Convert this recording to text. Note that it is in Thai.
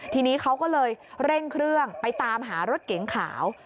ทีนี้เขาก็เลยเร่งเครื่องไปตามหารถเก๋งขาว